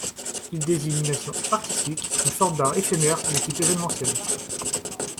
Il désigne une action artistique, une forme d'art éphémère de type événementiel.